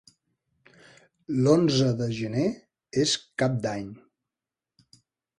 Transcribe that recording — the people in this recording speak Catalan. L'onze de gener és Cap d'Any.